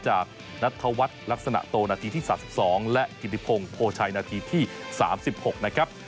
จากนัทธวัฒน์ลักษณะโตนาทีที่๓๒และกิติพงศ์โพชัยนาทีที่๓๖นะครับ